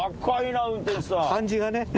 感じがね。